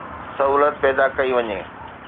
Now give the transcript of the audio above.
سهولت پيدا ڪئي وڃي.